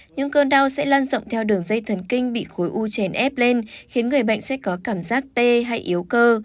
những cơn đau sẽ lan rộng theo đường dây thần kinh bị khối u chèn ép lên khiến người bệnh sẽ có cảm giác tê hay yếu cơ